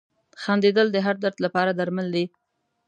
• خندېدل د هر درد لپاره درمل دي.